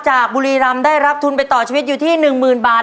บุรีรำได้รับทุนไปต่อชีวิตอยู่ที่๑๐๐๐บาท